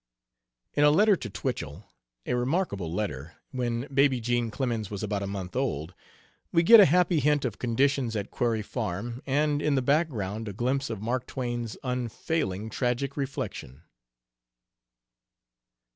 In a letter to Twichell a remarkable letter when baby Jean Clemens was about a month old, we get a happy hint of conditions at Quarry Farm, and in the background a glimpse of Mark Twain's unfailing tragic reflection.